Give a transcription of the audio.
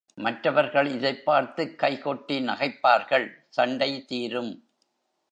மற்றவர்கள் இதைப் பார்த்துக் கைகொட்டி நகைப்பார்கள், சண்டை தீரும்.